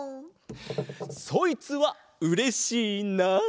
そいつはうれしいなあ！